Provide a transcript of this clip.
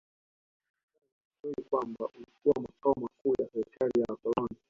Hii inatokana na ukweli kwamba ulikuwa makao makuu ya serikali ya wakoloni